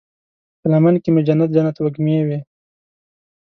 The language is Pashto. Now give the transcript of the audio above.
په لمن کې مې جنت، جنت وږمې وی